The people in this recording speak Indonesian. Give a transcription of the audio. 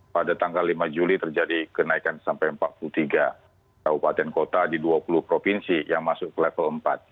pada tanggal lima juli terjadi kenaikan sampai empat puluh tiga kabupaten kota di dua puluh provinsi yang masuk ke level empat